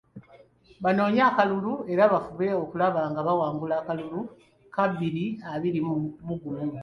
Banoonye akalulu era bafube okulaba nga bawangula akalulu ka bbiri abiri mu gumu.